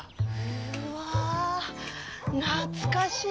うわあ懐かしいわ！